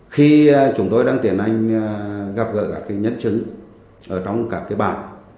khi chúng tôi đang tiến anh gặp gỡ các cái nhấn chứng ở trong các cái bản